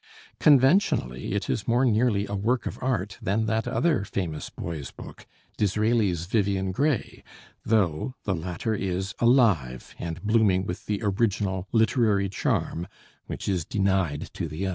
Conventionally it is more nearly a work of art than that other famous boy's book, Disraeli's 'Vivian Grey,' though the latter is alive and blooming with the original literary charm which is denied to the other.